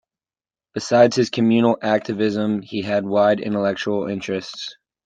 Besides his communal activism, he had wide intellectual interests.